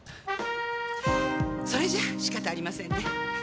それじゃあ仕方ありませんね。